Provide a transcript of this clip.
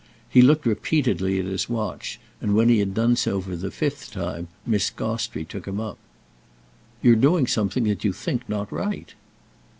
He looked repeatedly at his watch, and when he had done so for the fifth time Miss Gostrey took him up. "You're doing something that you think not right."